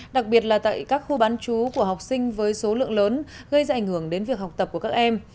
đặc biệt là tại các khu bán chú của học sinh với số lượng lớn gây ra ảnh hưởng đến việc học tập của các em